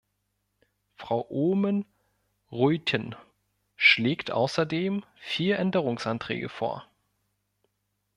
Frau Oomen-Ruijten schlägt außerdem vier Änderungsanträge vor.